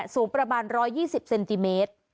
สูงประมาณ๑๒๐เซนติเมตร